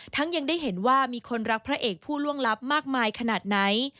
ยังได้เห็นว่ามีคนรักพระเอกผู้ล่วงลับมากมายขนาดไหน